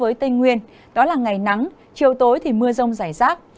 với tây nguyên đó là ngày nắng chiều tối thì mưa rông rải rác